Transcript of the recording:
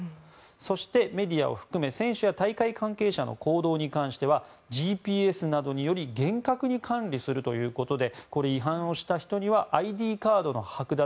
そしてメディアを含め、選手や大会関係者の行動に関してはＧＰＳなどにより厳格に管理するということで違反をした人にはＩＤカードの剥奪。